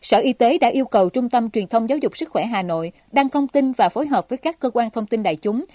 sở y tế đã yêu cầu trung tâm truyền thông giáo dục sức khỏe hà nội đăng thông tin và phối hợp với các cơ quan thông tin đại chúng